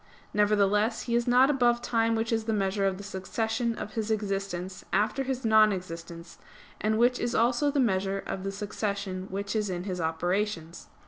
Nevertheless he is not above time which is the measure of the succession of his existence after his non existence, and which is also the measure of the succession which is in his operations.